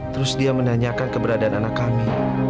terus dia menanyakan keberadaan anak kami